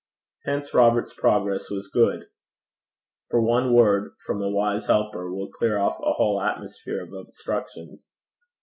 Hence Robert's progress was good; for one word from a wise helper will clear off a whole atmosphere of obstructions.